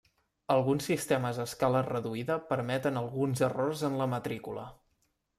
Alguns sistemes a escala reduïda permeten alguns errors en la matrícula.